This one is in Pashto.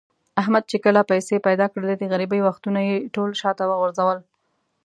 احمد چې کله پیسې پیدا کړلې، د غریبۍ وختونه یې ټول شاته و غورځول.